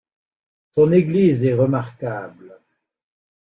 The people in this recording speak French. Son église est remarquable.